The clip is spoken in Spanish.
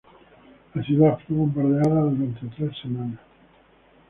La ciudad fue bombardeada durante tres semanas.